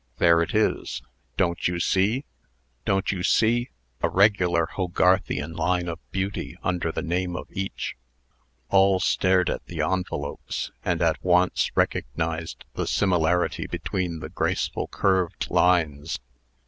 "There it is! Don't you see? Don't you see? A regular Hogarthian line of beauty under the name on each." All stared at the envelopes, and at once recognized the similarity between the graceful curved lines.